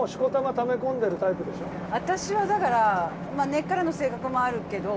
私はだから根っからの性格もあるけど。